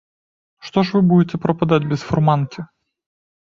Што ж вы будзеце прападаць без фурманкі.